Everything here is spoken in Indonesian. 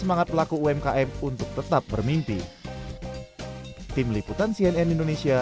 semangat pelaku umkm untuk tetap bermimpi